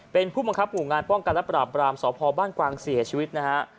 เป็นผู้บังคับหมู่งานป้องกันและปราบรามสพบ้านกวางเสียชีวิตนะฮะ